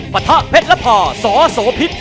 ปะทะเพชรและพาสโสพิษ